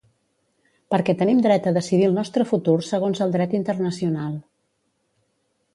Perquè tenim dret a decidir el nostre futur segons el dret internacional